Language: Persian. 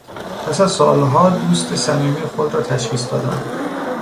پس از سالها دوست قدیمی خود را تشخیص دادن